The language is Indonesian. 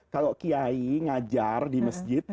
kalau kiai ngajar di masjid